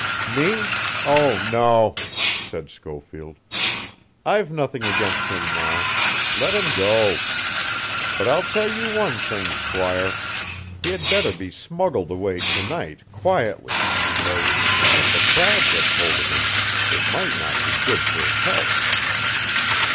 "Me? Oh, no!" said Schofield. "I've nothing against him now. Let him go. But I'll tell you one thing, squire he had better be smuggled away to night quietly, because, if the crowd gets hold of him, it might not be good for his health."